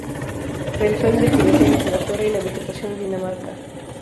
Realizó investigaciones de la flora y la vegetación en Dinamarca.